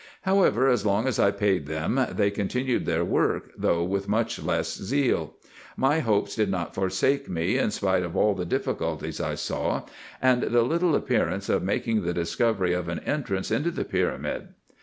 However, as long as I paid them they continued their work, though with much less zeal. My hopes did not forsake me, in spite of all the difficulties I saw, and the little appearance of making the discovery of an entrance into the pyramid.